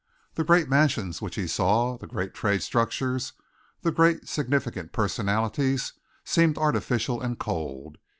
The great mansions which he saw, the great trade structures, the great, significant personalities, seemed artificial and cold.